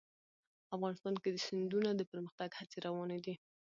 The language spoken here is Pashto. افغانستان کې د سیندونه د پرمختګ هڅې روانې دي.